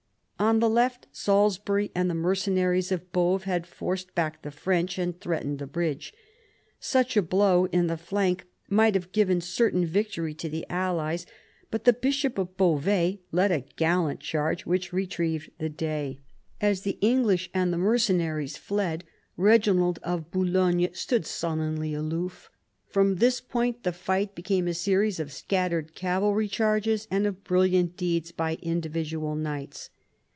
On the left Salisbury and the mercenaries of Boves had forced back the French and threatened the bridge. Such a blow in the flank might have given certain victory to the allies, but the bishop of Beauvais led a gallant charge which retrieved the day. As the English 106 PHILIP AUGUSTUS chap. and the mercenaries fled Eeginald of Boulogne stood sullenly aloof. From this point the fight became a series of scattered cavalry charges, and of brilliant deeds by individual knights.